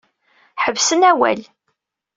Ḥebsen awal.